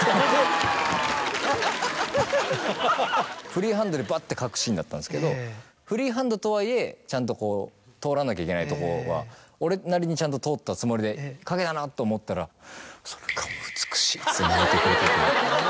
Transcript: フリーハンドでバッて書くシーンだったんですけどフリーハンドとはいえちゃんと通らなきゃいけないとこは俺なりにちゃんと通ったつもりで書けたなと思ったらそれが美しいっつって泣いてくれてて。